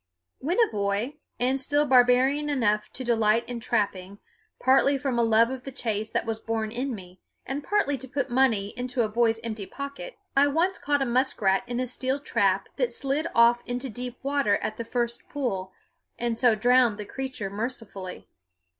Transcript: When a boy, and still barbarian enough to delight in trapping, partly from a love of the chase that was born in me, and partly to put money into a boy's empty pocket, I once caught a muskrat in a steel trap that slid off into deep water at the first pull and so drowned the creature mercifully.